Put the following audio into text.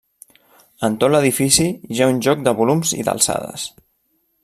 En tot l'edifici hi ha un joc de volums i d'alçades.